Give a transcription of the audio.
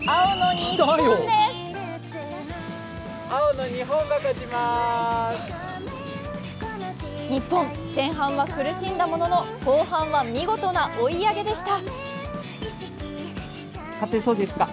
日本、前半は苦しんだものの、後半は見事な追い上げでした。